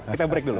kita break dulu